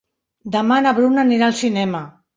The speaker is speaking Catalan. Demà na Bruna anirà al cinema.